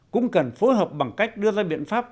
cũng cần phối hợp bằng cách đưa ra biện pháp